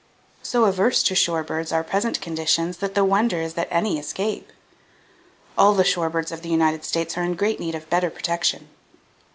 So averse to shore birds are present conditions [of slaughter] that the wonder is that any escape. All the shore birds of the United States are in great need of better protection....